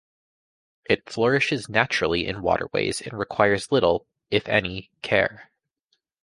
It flourishes naturally in waterways and requires little, if any, care.